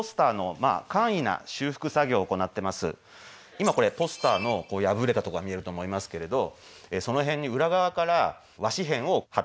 今これポスターの破れたとこが見えると思いますけれどその辺に裏側から和紙片を貼ってですね